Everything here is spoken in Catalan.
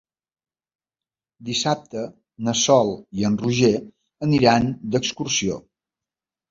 Dissabte na Sol i en Roger aniran d'excursió.